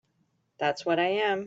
That's what I am.